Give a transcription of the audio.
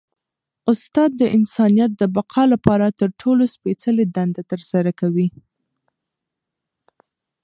استاد د انسانیت د بقا لپاره تر ټولو سپيڅلي دنده ترسره کوي.